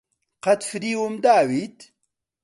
قەت فریوم داویت؟